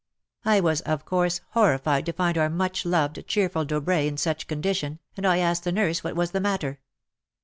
I was, of course, horrified to find our much loved, cheerful Dobrai in such condition, and I asked the nurse what was the matter